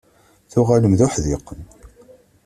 Tuɣalem d uḥdiqen.